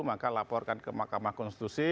maka laporkan ke mahkamah konstitusi